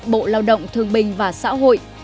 bộ lao động thương bình và xã hội